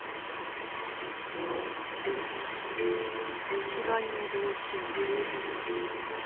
殺害の動機は十分か。